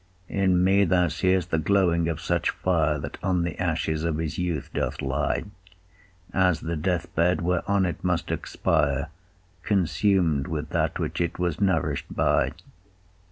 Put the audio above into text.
In me thou see'st the glowing of such fire, That on the ashes of his youth doth lie, As the death bed, whereon it must expire, Consum'd with that which it was nourish'd by.